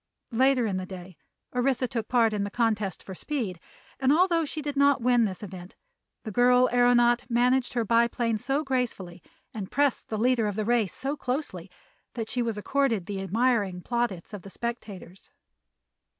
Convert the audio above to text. Later in the day Orissa took part in the contest for speed and although she did not win this event the girl aëronaut managed her biplane so gracefully and pressed the leader in the race so closely that she was accorded the admiring plaudits of the spectators.